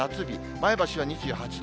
前橋は２８度。